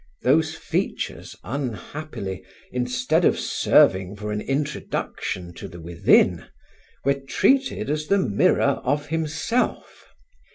Those features, unhappily, instead of serving for an introduction to the within, were treated as the mirror of himself.